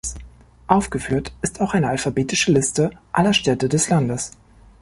Aufgeführt ist auch eine alphabetische Liste aller Städte des Landes.